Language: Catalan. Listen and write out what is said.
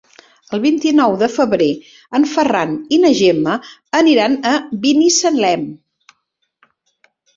El vint-i-nou de febrer en Ferran i na Gemma aniran a Binissalem.